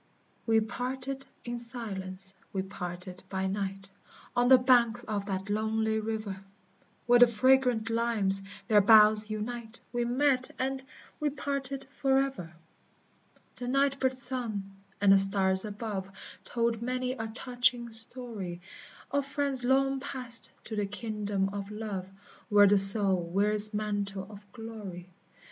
We parted in silence, we parted by night, On the banks of that lonely river; Where the fragrant limes their boughs unite, We met and we parted forever! The night bird sung, and the stars above Told many a touching story, Of friends long passed to the kingdom of love, Where the soul wears its mantle of glory.